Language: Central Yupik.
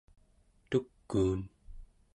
tukuun